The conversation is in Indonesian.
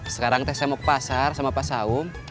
sekarang saya mau ke pasar sama pak saung